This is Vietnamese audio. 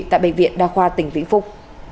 tại bệnh viện đa khoa tỉnh vĩnh phúc